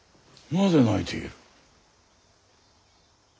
なぜ泣いている？